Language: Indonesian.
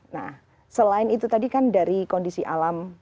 nah selain itu tadi kan dari kondisi alam